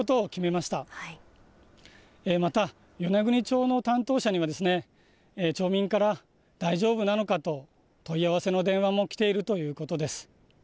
また、与那国町の担当者には、町民から大丈夫なのかと、問い合わせの電話も来ているということです。